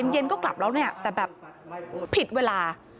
เย็นก็กลับแล้วเนี่ยแต่แบบผิดเวลา